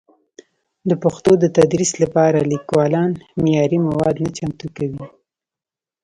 د پښتو د تدریس لپاره لیکوالان معیاري مواد نه چمتو کوي.